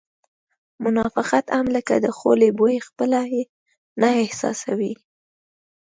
منافقت هم لکه د خولې بوی خپله یې نه احساسوې